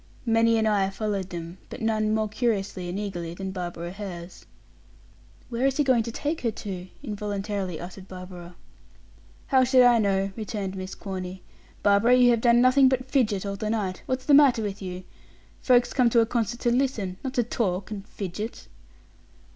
Many an eye followed them, but none more curiously and eagerly than Barbara Hare's. "Where is he going to take her to?" involuntarily uttered Barbara. "How should I know?" returned Miss Corny. "Barbara, you have done nothing but fidget all the night; what's the matter with you? Folks come to a concert to listen, not to talk and fidget."